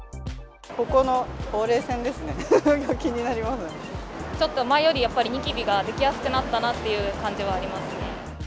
ここのほうれい線ですね、ちょっと前より、やっぱりニキビが出来やすくなったなっていう感じはありますね。